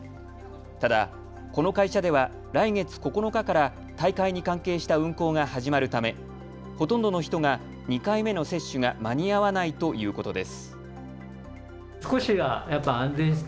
ただこの会社では来月９日から大会に関係した運行が始まるためほとんどの人が２回目の接種が間に合わないということです。